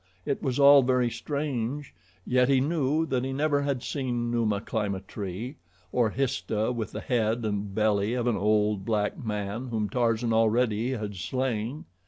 It was all very strange, yet he knew that he never had seen Numa climb a tree, or Histah with the head and belly of an old black man whom Tarzan already had slain.